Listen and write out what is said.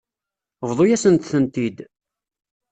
Bḍu-yasent-tent-id.